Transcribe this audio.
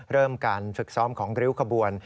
เริ่มการฝึกซ้อมของริ้วขบวน